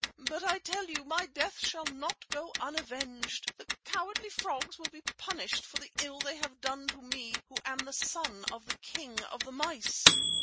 But I tell you my death shall not go unavenged the cowardly frogs will be punished for the ill they have done to me who am the son of the king of the mice."